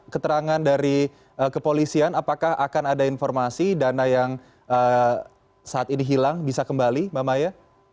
keterangan dari kepolisian apakah akan ada informasi dana yang saat ini hilang bisa kembali mbak maya